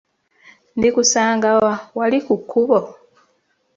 Ndikusanga wa, wali ku kkubo?